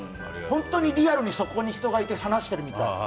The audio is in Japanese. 本当にリアルにそこに人がいて話しているみたい。